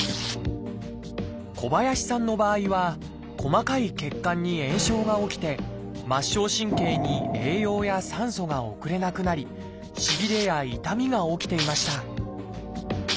小林さんの場合は細かい血管に炎症が起きて末梢神経に栄養や酸素が送れなくなりしびれや痛みが起きていました